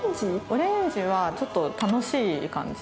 オレンジはちょっと楽しい感じ。